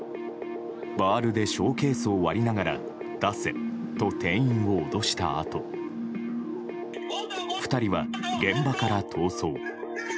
バールでショーケースを割りながら出せと、店員を脅したあと２人は現場から逃走。